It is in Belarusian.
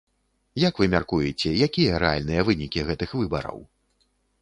Як вы мяркуеце, якія рэальныя вынікі гэтых выбараў?